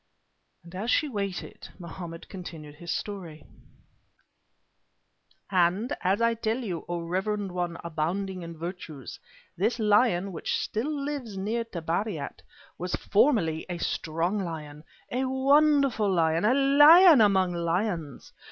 As she waited, Mohammed continued his story: "And, as I tell you, O reverend one abounding in virtues, this lion which still lives near Tabariat, was formerly a strong lion, a wonderful lion, a lion among lions!